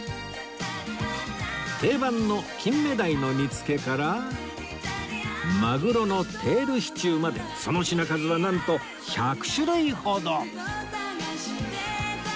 定番の金目鯛の煮付けからまぐろのテールシチューまでその品数はなんと１００種類ほど！